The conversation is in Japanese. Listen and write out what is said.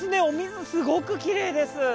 お水すごくきれいです。